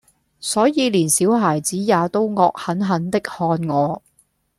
所以連小孩子，也都惡狠狠的看我。